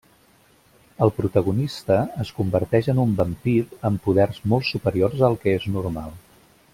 El protagonista es converteix en un vampir amb poders molt superiors al que és normal.